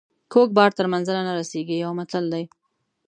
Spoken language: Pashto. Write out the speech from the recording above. کوږ بار تر منزله نه رسیږي یو متل دی.